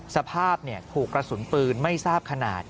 สภาพถูกกระสุนปืนไม่ทราบขนาด